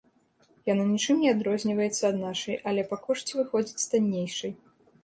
Яна нічым не адрозніваецца ад нашай, але па кошце выходзіць таннейшай.